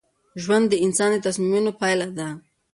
ژوند د انسان د تصمیمونو پایله ده.